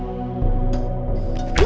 aku mau pergi